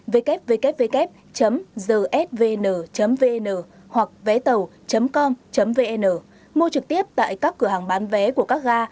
www gsvn vn hoặc vétàu com vn mua trực tiếp tại các cửa hàng bán vé của các ga